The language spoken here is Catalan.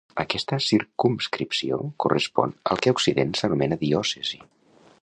Aquesta circumscripció correspon al que a Occident s'anomena diòcesi.